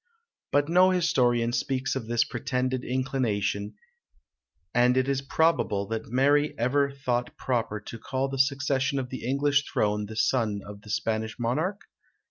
But no historian speaks of this pretended inclination, and is it probable that Mary ever thought proper to call to the succession of the English throne the son of the Spanish Monarch?